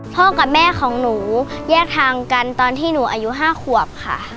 พ่อกับแม่ของหนูแยกทางกันตอนที่หนูอายุ๕ขวบค่ะ